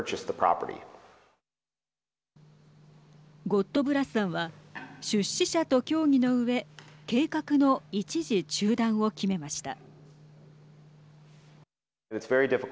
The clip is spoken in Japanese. ゴットブラスさんは出資者と協議のうえ計画の一時中断を決めました。